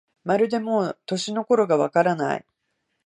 まるでもう、年の頃がわからない